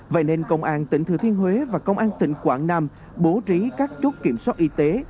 vậy nên công an tỉnh thừa thiên huế và công an tỉnh quảng nam bố trí các chốt kiểm soát y tế